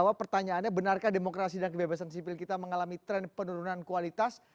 bahwa pertanyaannya benarkah demokrasi dan kebebasan sipil kita mengalami tren penurunan kualitas